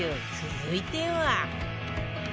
続いては